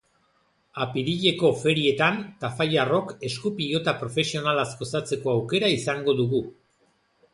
Apirileko Ferietan tafallarrok esku pilota profesionalaz gozatzeko aukera izango dugu.